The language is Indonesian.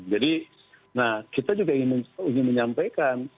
jadi kita juga ingin menyampaikan